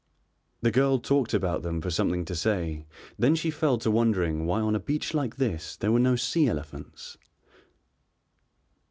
The girl talked about them for something to say, then she fell to wondering why on a beach like this there were no sea elephants.